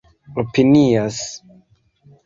opinias